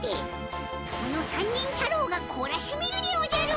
この三人太郎がこらしめるでおじゃる。